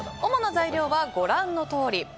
主な材料はご覧のとおり。